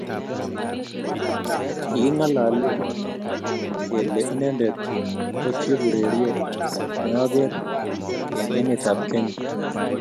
kiking'alale kele inendet ko chepurerie ne ang'er eng' emetab Kenya